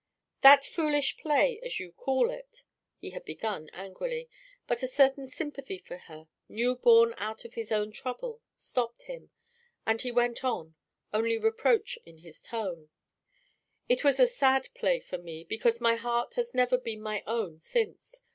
"'That foolish play,' as you call it " he had begun angrily, but a certain sympathy for her, new born out of his own trouble, stopped him, and he went on, only reproach in his tone: "It was a sad play for me, because my heart has never been my own since.